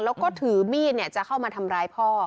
แล้วก็ถือมีดจะเข้ามาทำร้ายพ่อ